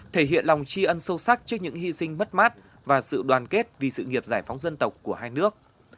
thể hiện lòng tri ân sâu sắc trước những hy sinh mất mát và sự đoàn kết vì sự nghiệp giải phóng dân tộc của hai nước